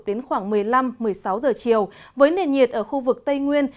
đến khoảng một mươi năm một mươi sáu giờ chiều với nền nhiệt ở khu vực tây nguyên